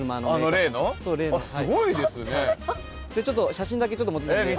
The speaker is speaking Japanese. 写真だけちょっと持ってきたので。